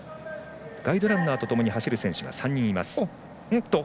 ガイドランナーとともに走る選手が３人います。